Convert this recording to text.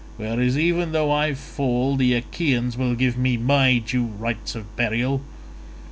Whereas even though I fall the Achaeans will give me my due rites of burial."